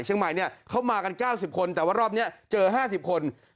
เชียงใหม่เข้ามากัน๙๐คนแต่ว่ารอบนี้เจอ๕๐คน